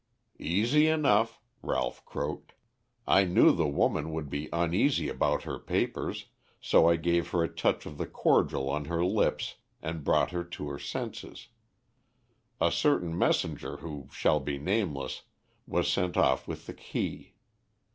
"Easy enough," Ralph croaked. "I knew the woman would be uneasy about her papers, so I gave her a touch of the cordial on her lips and brought her to her senses. A certain messenger who shall be nameless was sent off with the key.